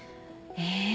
え？